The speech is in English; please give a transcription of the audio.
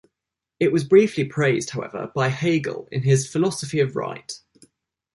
It was briefly praised, however, by Hegel in his Philosophy of Right.